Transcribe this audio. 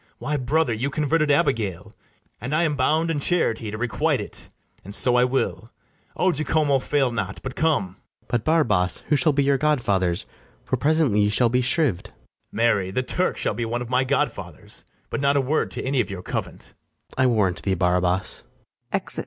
Why, brother, you converted Abigail; And I am bound in charity to requite it, And so I will. O Jacomo, fail not, but come. FRIAR JACOMO. But, Barabas, who shall be your godfathers? For presently you shall be shriv'd. BARABAS. Marry, the Turk shall be one of my godfathers, But not a word to any of your covent. FRIAR JACOMO. I warrant thee, Barabas. [Exit.] BARABAS.